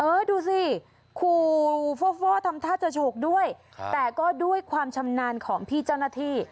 ดูสิขู่ฟ่อทำท่าจะโฉกด้วยแต่ก็ด้วยความชำนาญของพี่เจ้าหน้าที่